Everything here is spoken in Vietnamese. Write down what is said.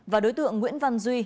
và đối tượng nguyễn văn duy